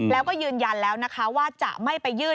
แล้วก็ยืนยันแล้วนะคะว่าจะไม่ไปยื่น